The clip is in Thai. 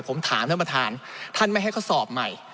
ผมถามท่านประธานท่านไม่ให้เขาสอบใหม่